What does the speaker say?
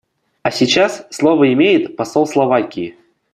А сейчас слово имеет посол Словакии.